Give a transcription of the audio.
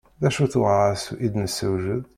D acu-t uɣaɛas i d-nessewjed?